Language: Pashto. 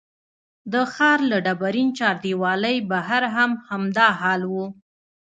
د ښار له ډبرین چاردیوالۍ بهر هم همدا حال و.